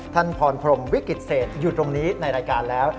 พรพรมวิกฤตเศษอยู่ตรงนี้ในรายการแล้ว